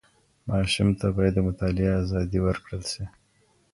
ماسوم ته باید د مطالعې ازادي ورکړل سي.